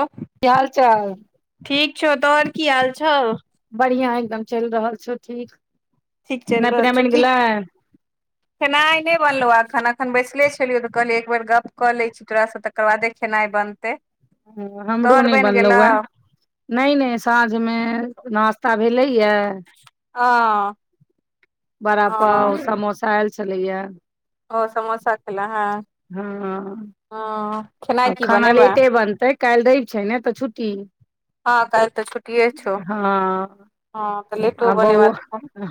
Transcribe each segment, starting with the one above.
Hello क्य हाल चाल? ठीक छौ तोहर की हाल छौ। बढ़िया एकदम चलि रहल छौ ठीक। ठीक चलि खनाा रहल पीना छौ मनि की गेलै? खेनाइ नहि बनलहुँ एखन एखन बैसले छलियौ तऽ कहलियै एक बेर गप्प कऽ लैत छी तोरासँ तऽ तकरबाद खेनाइ बनतै। ह हमरो तोहर नहि बनि गेलौ बनलौए। नहि नहि साँझमे नास्ता भेलैयए। ह बड़ा पाव समोसा आयल छलैया। ओ समोसा हखल हँ। हँ ह खेल आ खाना लेटे बनतै काल्हि दव छै ने तऽ छुट्टी। हँ काल्हि तऽ छुट्टिये छौ हँ हँ ते आ बौआ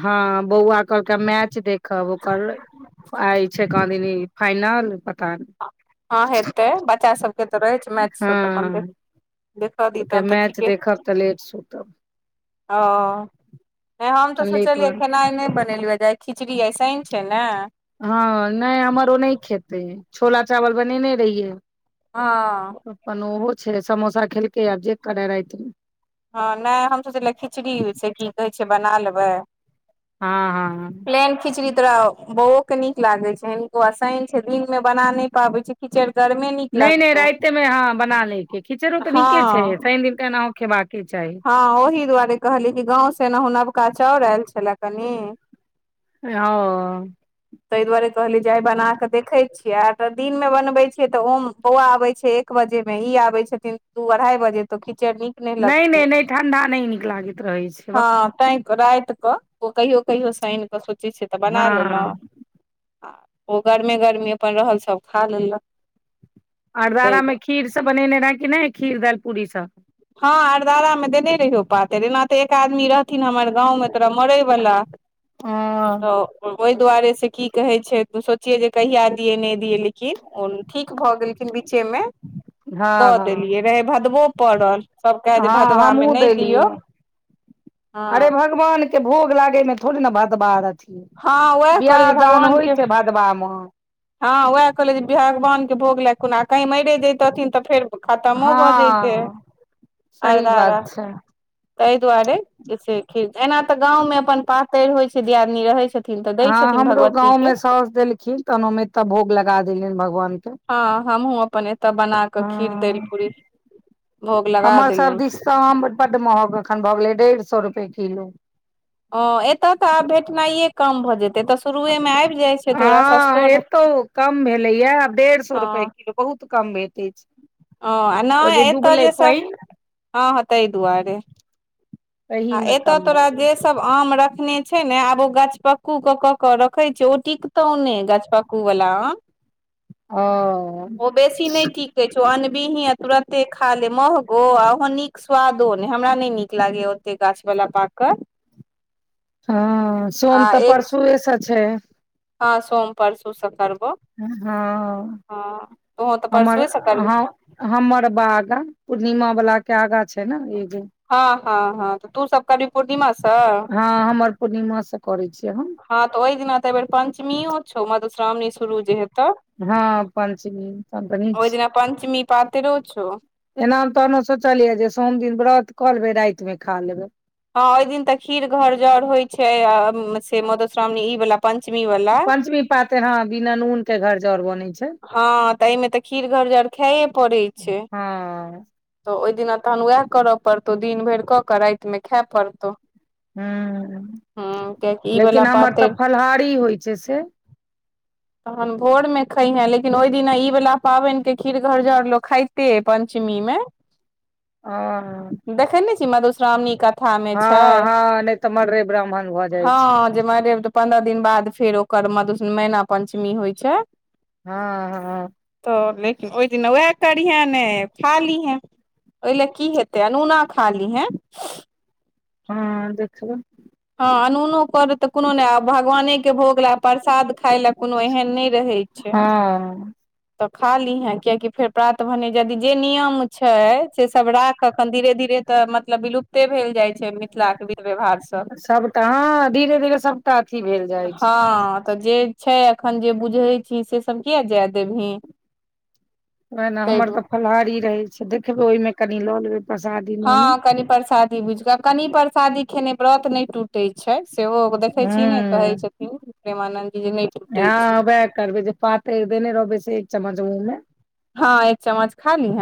हँ बौआ कहलक मैच देखब ओकर आइ छै काँदीनी फाइनल। पता नहि हँ हेतै बच्चा सबके तऽ रहै छै मैथ तऽ अपन हँ देखखा कहलकै दता तऽ मैच ठीके। देखब तऽ लेट सुतब ओ नहि हम तऽ अपन लेट सोचलियै बन खेनाइ नहि बनेलियै जा। खिचड़ी ऐसेन छै ने। हँ नहि हमर ओ नहि खेतै छोला चावल बनेने रहियै। हँ अपन ओहो छै समोसा खेलकै आब जे करे राति। हँ नहि हम सोचलिय खिचड़ी से की कहै छै बना लेबै। हँ-हँ प्लेन खिचड़ी तोरा बौ के निक लागे छै एो आसानन छै दिन में बना न पाबे छै। किच गर्मी नहि नहि रााते मे हँ बना लेके खिचड़ो तऽ हँ नीके छै शनि दिन त एनाँ खेबाक चाही। हँ ओहिी दुआरे कहली कि गाँं सेनाहु नवका चाउर आयल छलए कनी। ह ता दुआरे कहली जे आइ बना के देखे छियै आ दिन मे बनबे छियै तऽ ओ बौआ आबै छै। एक बजे मे ह आबे छथिन दू अढ़ाई बजे तो खिचड़ नीक नहि लगतै नहि-नहि- नहि ठंडा नहि नीक लागैत रहै छै। हँ ता रात कऽ ओ कहियो कहियोसँ आनि कऽ सोचै छियै तऽ बना हँ लेलहुँ। आ ओ गर्मेी गर्मी अपन रहल सभ खा लेलक। तै आरदारा मे खीर सब बनेने रहै कि ने खीर दालि पूरी सब। हँ अरदारामे देने रहियौ पातरि एना तऽ एक आदमी रहथिन हमर गाँवमे तोरा मरय वला। [unintelligible] हँ तऽ ओहि दुआरे से की कहै छै सोचियै जे कहिया दियै नहि दियै लेकिन ओ ठीक भऽ गेलखिन बीचे मे दऽ हँ देलियै रहै भदबो पड़ल। सब कहे जे हँ भदवा मे हमहुँ नहि दियौ देलियए अरे हँ भगवान के भोग लागे मे थोड़े ने भदवा आर अथी हँ वएह कहलियै बियाह दान होइ छैय भदवा मे हां वएह कहलिये जे भगवान के भोग लग कोना कही मरे जैतथिन तऽ फेर खतमो भऽ जैते हँ सही बात अरदरा छै ताहि दुआरे से खीर एना तऽ गाँवमे अपन पातरि होइत छैय, दियादनी रहैत छथि। हां हमरो गाँवमे साउस देलखिन तहन हम एते तऽ भोग लगा देलियनि भगवान के हाऊ हमहुँ अपन एतय बना कऽ खीर देल हँ पूरी भोग लगा हमर सब दिस देलियनि। तऽ आम बड्ड महग अखन भऽ गेलै डेढ़ सए रुपए किलो। हां एतय तऽ आब भेटनाइये कम भऽ जेतै एतय स हां एतहुं कम भेलैये डेढ़ सए रुपए किलो बहुत कम भेटै छैय। हां नैय एतय जे सब पानि हां हां ताहि दुआरे ताहि आ में एतऽ कम तोरा भऽ गेलै। जे सब आम रखने छैय ने आब ओ गछपक्कू के कऽ के रखे छैय, ओ टिकतौ ने गछपक्क पक्कू वला आम ओ ओ बेसी नैय टिक कह अनबीह तुरते खा ले महगो आ ओ नीक स्वादो ने हमरा नैय नीक लागैया। तैय गाछ वला पाकल हां सोम तऽ परसुए से छैय। हां सोम परसूसँ करबो। हां हँ तोहूँ तऽ हमर परसुए से करबी हां हमर बाग अगा पूर्णिमा वला के अगा छैय नैय एगो हां हां हां तऽ तू सब कर भी पूर्णिमा से हां हमर पूर्णिमा से करै छियै हम हां तऽ ओहि दिना तऽ एहि बेर पञ्चमी यौ छौ मधुश्रावणी शुरू जे हेतौ हां पञ्चमी तब तऽ नीक छैय। पञ्चमी पातरो छौ। ऐना तहनो सोचलयै, जे सोम दिन व्रत कऽ लेबै रातिमे खा लेबै। हां ओहि दिन तऽ खीर घर जर होइ छैय से मधुश्रावणी ई वला पञ्चमी वला पातैर हां बिना नून के घर जर बनै छैय। हां तऽ एहिमे तऽ खीर घर जर खाइये पड़ै छैय। हँ तऽ ओहि दिना तहन वएह करय पड़तौ दिन भरि कऽ कऽ रातिमे खए पड़त हुं। हां कियाकि ई वाला लेकिन हमर तऽ पातरि फलहारी होइ छैय, से तहन भोर मे खैहिए लेकिन ओहि दिना इ बला पाबिन के खीर घोरजाउर लोक खाइते ये पंचमी मे हां [inaudible] हां हां। दे्खैय नैय छैय, मधुश्रावणी कथा मे हँ छैय हँ नहि तऽ मर्रे ब्राह्मण भऽ जाइ छै हां। जे मरे त [unintelligible] पन्द्रह दिन बाद फेर ओकर मधु मेना पंचमी होइ छैय हां हां तऽ लेकिन ओहि दिना उएह करिहे ने खा लिहेअ। ओहि लेय की हेतै अनूना खा लिहे। हां देखबै। हां अनूनो करइ तऽ कुनू नैय आब भगवानेके भोग लैय प्रसाद खाय लैय कुनू एहन नैय रहैय छैय। हँ तऽ खा लिहे कियाकी फेर प्रात भने यदि जे नियम छैय से सब राख तखन धीरे-धीरे त मतलब विलुप्ते भेल जाइ छैय मिथिलाके वीध व्यवहार सब त हं धीरे-धीरे सबटा अथी भेल जाय छै। त जे छैय अखन जे बुझैय छी से सब किये जे देबहीं। ना ना हमर त फलहारी रहैय छैय देखबै ओहिमें कनी ल लेबै। प्रसादी मे मे हँ कनी परसादी बुझि क, कनी परसादी खेने व्रत नैय टूटैय छैय सेओ ओ देखै हूं छी ने कहैय छथिन प्रेमानन्द जी जे नैय टुटैय छै। वेह करबैय जे पातैर देने रहबै से एक चम्मच मुँह में। हँ एक चम्मच खा लीहें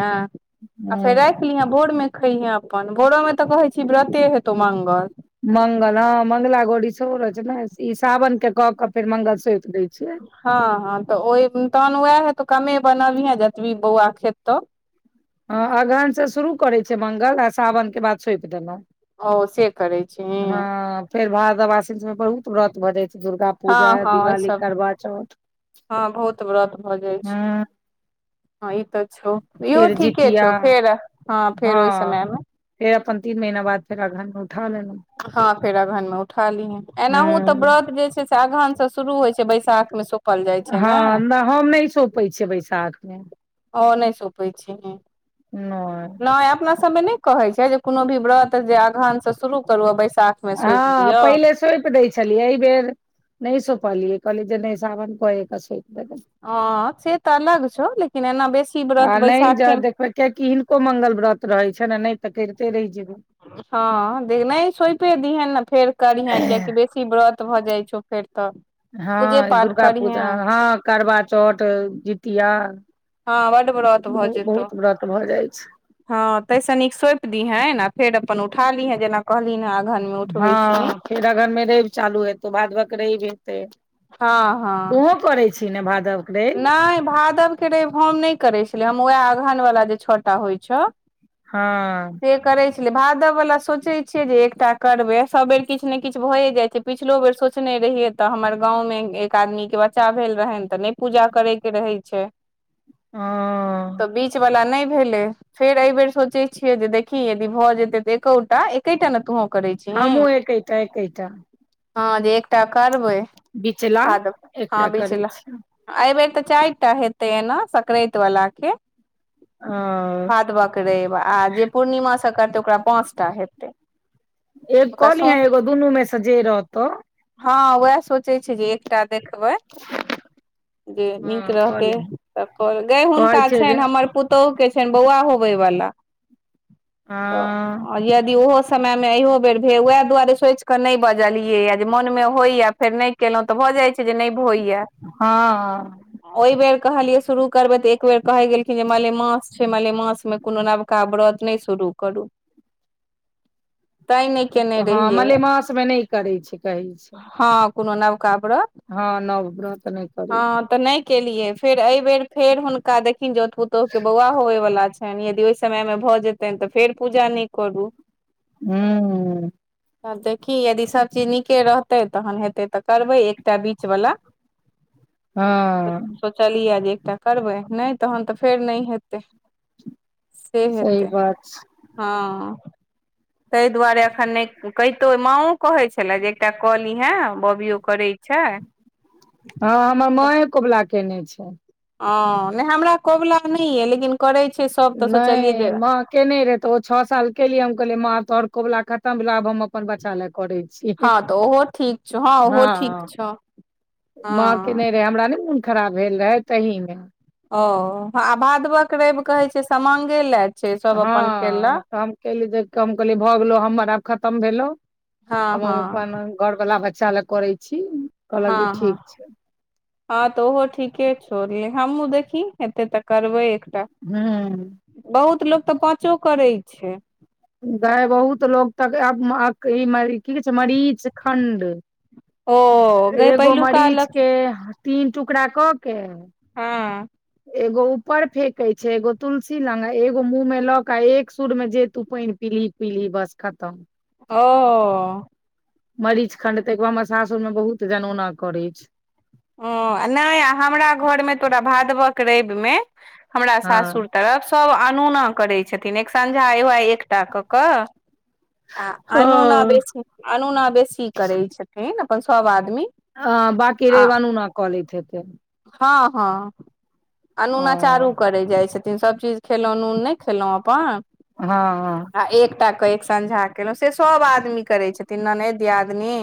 आ फेर रैख हूं लीहें भोर में खैइहें अपन भोरो में त कहै छी व्रते हेतौ मंगल। मंगल हँ मंगला गोरी सेहो रहै छै ने इ सावन के क क फेर मंगल सोइप दैय छियै। हँ हँ त ओय तहन वेह क कमे बनबीहें जतबी बौआ खेतो। हँ अगहन स शुरू करैय छियै मंगल आ सावन के बाद सोइप देलौं। ओ से करैय छीहीं। फेर भादव आसीन [unintelligible] बहुत व्रत भ जाय छैय दुर्गा हँ पूजा, हँ ओहि दिवाली, सब करवाचौथ। हँ बहुत व्रत भ जाय छै हँ इ त छौ। इहो फेर ठीके जितिया छौ फेर हं हँ फेर ओहि समयमें फेर अपन तीन महिना बाद फेर अगहन में उठा लेलौं। हँ फेर अगहन में उठा लीहें, एनाहु त हूं व्रत जे छैय अगहनस शुरू होय छैय बैसाख में सोप हँ ना हम नैय सोपै छियै बैसाख में। ओ नैय सोपै छीहीं। नय। नाय अपना सब में नैय कहैय छैय जे कोनो भी व्रत जे अगहन से शुरू करु आ बैसाख में सोइप दीअ। सोइप दैय छलि अयबेर नैय सोपलियै कहली जे नै सावन कए क सोइप देबैय। अँ से त अलग छौ लेकिन एना बेस आ नैय ज देखबै कियकि हिनको मंगल व्रत रहैय छनि नहि त कैरते रहि जेबैय। हँ दे नैय सोइपे दीहें ने फेर करिहें कियाकी बेस इ व्रत भ जाय छौ फेर त हँ दुर्गा पूजा हँ करवाचौठ, जितिया हँ बड व्रत भ जेतौ। बहुत व्रत भऽ जाइ छै हँ तैय से नीक सोइप दीहेंन आ फेर अपन उठा लीहें जेना कहलीनहें हँ फेर अगहन में रैव चालू हेतौ भादवक रैव एतैय। हँ तुहुं करैय छी ने भादव? नाय भादव के रैव हम नैय करै छलियो हम वेह अगहनवला जे छ टा होयछौ हँ। से करे छलिये भादव बला सोचैय छियै जे एकटा करबे सब बेर किछ ने किछ भए जाय छैय। पिछलो बेर सोचने रहिये तऽ हमर गाँंवं में एक आदमी के बच्चा भेल रहैनि तऽ नैय पूजा करैय के रहैय छैय। ओ। तऽ बीच वला नैय भेलैय। फेर अय बेेर सोचैय छियै जे देखी यदि भऽ जेतैय तऽ एकोटा एकेटा ने तुहों करैय छीहीं हमहुँ एकेटा एकेटा हँ एकटा करबैय बिचला एकटा करैय छी अय बेर तऽ चारि टा हेतैय ना सकराँति वला के अऽ भादवक रइव आ जे पूर्णिमा सँ करतै ओकरा पाँच टा हेतै एग ओकरा कऽ लिहे सो एगो दुनू में से जे रहतौ हँ वैह सोचे छियै जे एकटा देखबै जे नीक हँ कऽ रहतै लिहे तऽ कये गय कहै हुनका छै जे छनि हमर पुत तोह के छनि बौआ होबे बला अ तऽ यदि ओहो समय मे इहो बेर भेल वैह दुआरे सोच के नहि बजलियै जे मोन मे होए या फेर नहि केलौ तऽ भऽ जाइ छै जे नहि होइयै हँ ओहि बेर कहलियै शुरू करबै तऽ एक बेेर कहै गेलखिन जे मलेमास छै मलेमास मे कोनो नवका व्रत नहि शुरू करू तैं नहि केने हँ रहियै मलेमासमे नहि करै छै कहय छै। कुनो नबका व्रत हँ नव व्रत नहि करै छै। हँ तऽ नहि केलिये फेर अहि बेर फेर हुनका देखिन जौत पुतोहु के बौआ होवे बला छै ते नैया यदि ओहि समयमे भऽ जेतनि तऽ फेर पूजा नय करू हू आब देखी यदि सब चीज नीके रहतै तहन हेतै तऽ करबै एकटा बीच वला हँ सोचलियै जे एकटा करबै नहि तहन तऽ फेर नहि हेतै से सही हेतै बात छै हँ तहि दुआरे एखन नहि कहितो माओ कहे छले जे एकटा कहलिहे बबियो करै छै। हँ हमर माँए कोबला केने छै। ह नहि हमरा कोबला नहि यए लेकिन करै छै सब तऽ सोचलियै नहि जे माँ केने रहे ते ओ छः साल केलियै हम कहले माँ तोहर कोबला खत्म भेलो आब हम अपन बच्चा लै करै छि हँ तऽ ओहो ठीक छौ ओहो ठीक हँ छौ हँ माँ केने रहे हमरा नहि मोन खराब भेल रहै तहीमे ओ आ भादवक रैब कहै छै समांगे ले हँ तऽ हम केली जे हम कहलिये भऽ गेलो हमर आब खतम भेलो हँ आब हँ हम अपन घरवला बच्चा लै करै छी कहलक जे हँ हँ ठीक छै हँ तऽ ओहो ठीके छौ अभी हमहुँ देखी हेते तऽ करबै एकटा हू बहुत लोक तऽ पाँचो करै छै। गए बहुत लोग तक आब म मका ई की कहै छै मरीच खंड ओ गै एगो पहिलुका मरीच अलग के तीन टुकड़ा कऽ के हँ एगो ऊपर फेके छै एगो तुलसी लग एगो मुंह में लऽ के एक सुर में जे तू पइन पिली पिली बस खतम ओ मरीच खण्ड तऽ एगो हमर सासुर मे बहुत जनौना करै छै। ओ नहि आ हमरा घरमे तोरा भादबक रैबमे हमरा हँ सासुर तरफ सब अनोना करै छथिन एकसंझा एगो एकटा कऽ कऽ आ अनुना हँ बेसी अनुना बेसी करै छथिन अपन सभ आदमी। हँ बकी आ रैब अनुना कऽ लैत हेतै। हँ हँ ओ अनुना चारू करै जाइ छेथ थिन सभ चीज खेलहुँ नून नहि खेलहुँ अपन हँ ह। आ एकटा कऽ एक सनझा केलहुँ से सभ आदमी करै छथिन ननेद दियादनी।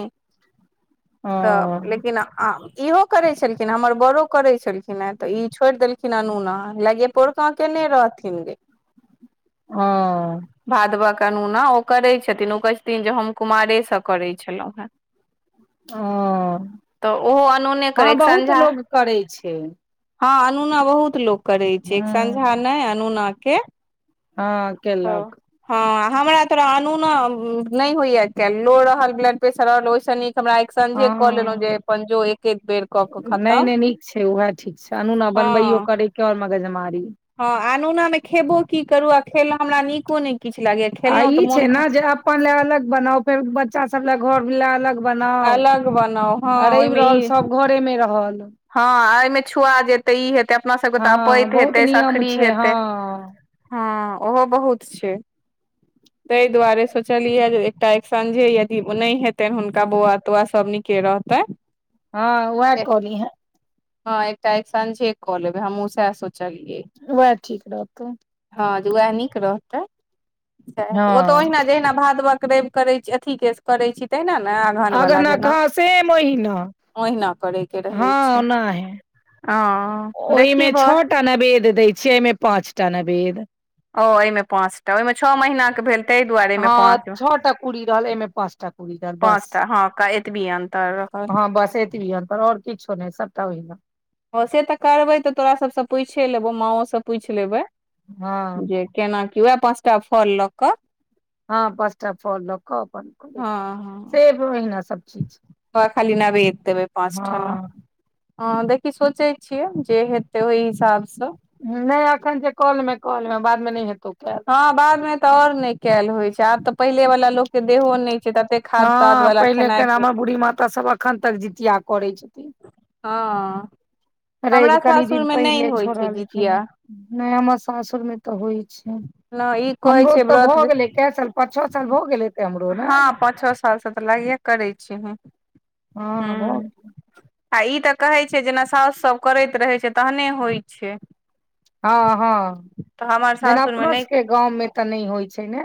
ओ सब लेकिन इहो करै छलखिन हमर बड़ो करै छलखिन हे तऽ ई छोड़ि देलखिन अनुना लएगे पोरका केने रहथिन गे हँ। भादवक अनुना ओ करै छथिन ओ कहैत छथिन जे हम कुमारेसँ करै छलहुँ हेँ। ओ तऽ ओहो अनूने करै हँ बहुत एकसनझा। लोग करै छै। हँ अनुना बहुत लोक करै छै एक हँ समझा नहि अनुना के हँ हँ केेलक। हँ आ हमरा तोरा अनुना नहि होइया केल लो रहल ब्लड प्रेशर ओर ओहिस नीक हमरा हँ एकसनझे कऽ लेलहुँ जे पंजो एक एक बेर कऽक नहि खतम। नहि नीक छै उएह ठीक छै आनुना बनबैयो हँ करयके आओर मगजमारी। हँ आनुना मे खेबो की करू आ खेला हमरा नीको नहि किछ लगैए आ ई छै ने जे अपन ले अलग बनाउ फेर बच्चा सब ले घर ले अलग बनाउ अलग बनाउ हँ आ रबि ओहिमे रहल ई सब घरेमे रहल। हँ एहिमे छुआ जेतै ई हेतै अपना सबके तऽ हँ अपैत बहुत हेतै नियम सखरी छै हेतै। हँ हँ ओहो बहुत छै ताहि दुआरे सोचलिया जे तऽ एक सनझे यदि ओ नहि हेतनि हुनका बौआ तौआ सब नीके रहतै। हँ वएहे कअली हे। हँ एकटा एकसनझे कऽ लेबै हमु उ सेह सोचलियै। वेह ठीक रहतौ। हँं जे वएह नीक रहतै। सेह हेतै ओतऽ हँ ओहिना जहिना भादवक रवि करै छी अथीके करै छी तैहिना ने अगहन बला अगहनक जेना। हँ सेम ओहिना ह ओहिना करै के रहै हँ छै ओनाहे हऽ। ओहिमे छओ टा नवेद्य दै छियै एहिमे पाँच टा नवेद्य। ओ एहिमे पाँच टा ओहिमे छअ महिनाके भेल ताहि दुआरे एहिमे पाँच छहटा कूरि रहल एमे पाँच टा कुड़ी रहल बस पाँचटा हँ का एतऽबी अन्तर रहल। हँ बस एतबी अन्तर आओर किछो नहि सबटा ओहि ना। हँ से तऽ करबै तऽ तोरा सभसँ पूछे लेबौ माँओ सँ पूछि लेबै हँ जे केनाकी वएह पाँच टा फल लऽक। हँ पाँच टा फल लऽक अपन करैत हँ सेब ओहिना सब चीज। तऽ खाली नेबेद्द देबै पाँच ठन्ना। हँ ह देखि सोचै छियै जे हेतै ओहि हिसाब सँ। नहि अखन जे कलेमे कले मेऽ बाद मे नहि हेतौ केल। हँ बाद मे तऽ आओर नहि केयल होइ छै आब तऽ पहिले वाला लोक के देहो नहि छै ततेक हँ पहिले के हमर बूढ़ी माता सब अखन तक जितिया करै छै। हँ। हमरा रैब कनि सासुर दिन मे नहि पहिले होइ छै छोड़लखिन जितिया ह। नय हमर सासुर मे तऽ होइ छै। न ई कहै हमरो छै तऽ व्रत भऽ जे गेलै, कए साल पाँच छ साल भऽ गेल हेत्ते हमरो ने? फलसँ तऽ लागे करै छी ह हँ भट आ ई तऽ कहैत छै, जेना सास सब करैत रहैत छै, तहने होइत छै। हँ हँ, तऽ हमर जेना सासुर मे अपनो नहि सबके गाँंव में तऽ नहि होइ छै ने?